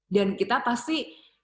dan kita pasti